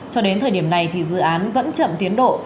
cho đến thời điểm này thì dự án vẫn chậm tiến độ